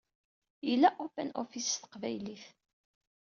Yella OpenOffice s teqbaylit.